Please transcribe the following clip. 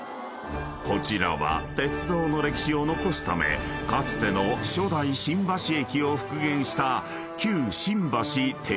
［こちらは鉄道の歴史を残すためかつての初代新橋駅を復元した］